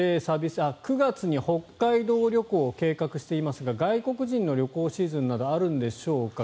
９月に北海道旅行を計画していますが外国人の旅行シーズンなどあるのでしょうか。